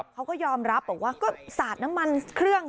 เขาก็ยอมรับบอกว่าก็สาดน้ำมันเครื่อง